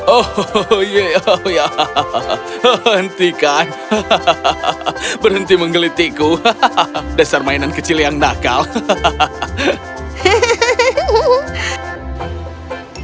oh ya hentikan hahaha berhenti menggelitikku hahaha dasar mainan kecil yang nakal hahaha